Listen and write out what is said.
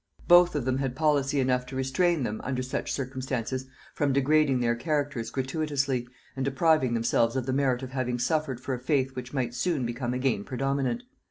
Both of them had policy enough to restrain them, under such circumstances, from degrading their characters gratuitously, and depriving themselves of the merit of having suffered for a faith which might soon become again predominant.